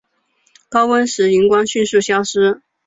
高温时荧光迅速消失。